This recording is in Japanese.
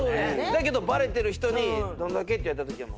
だけどバレてる人に「どんだけ」って言われたときは。